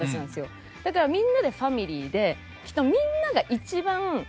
だからみんなでファミリーできっと。